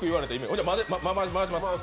じゃあ、回します。